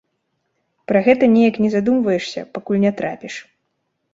Пра гэта неяк не задумваешся, пакуль не трапіш.